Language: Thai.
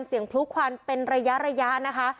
เสียงพลุกควันเป็นระยะนะคะ